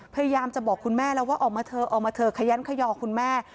พยายามจะบอกคุณแม่แล้วว่าออกมาเถอะออกมาเถอะขยันขยอคุณแม่